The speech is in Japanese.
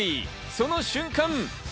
その瞬間。